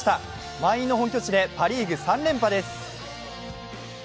満員の本拠地でパ・リーグ３連覇です。